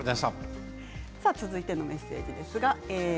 続いてメッセージです。